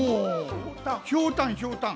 ひょうたんひょうたん。